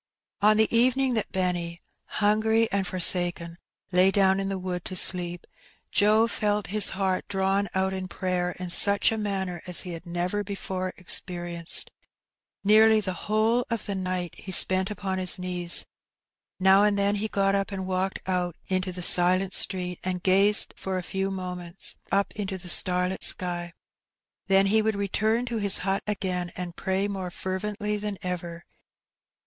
On the evening that Benny, hungry and forsaken, lay down in the wood to sleep, Joe felt his heart drawn out in prayer in such a manner as he had never before experienced. Nearly the whole of the night he spent upon his knees. Now and then he got up and walked out into the silent street, and gazed for a few moments up into the starlit sky. Then he would return to his hut again and pray more fer vently than ever.